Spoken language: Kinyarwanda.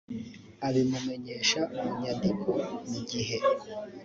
abimumenyesha mu nyandiko mu gihe